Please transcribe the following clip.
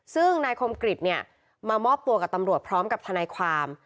ซึ่งนายคมกริจเนี่ยมามอบตัวกับตำรวจพร้อมกับทนายความ